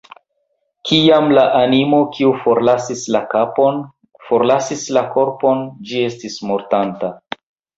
Kiam la animo, kiu forlasis la kapon, forlasis la korpon, ĝi estis mortanta.